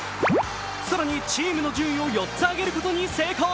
更にチームの順位を４つ上げることに成功。